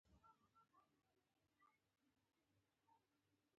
د ښار د لیدو تلوسه ختمه شي.